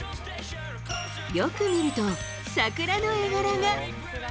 よく見ると、桜の絵柄が。